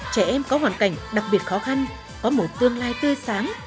trẻ em có hoàn cảnh đặc biệt khó khăn có một tương lai tươi sáng